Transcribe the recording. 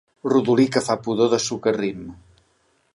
Rodolí que fa pudor de socarrim.